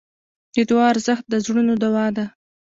د دعا ارزښت د زړونو دوا ده.